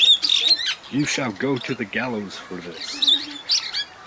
You shall go to the gallows for this.